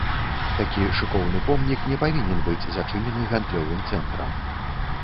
Такі шыкоўны помнік не павінен быць зачынены гандлёвым цэнтрам.